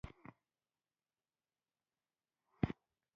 په نولسمه پېړۍ کې لیکل شویو آثارو کې.